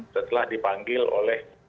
setelah dipanggil oleh